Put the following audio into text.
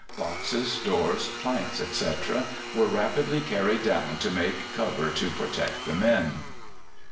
Boxes, doors, planks, etc., were rapidly carried down to make cover to protect the men.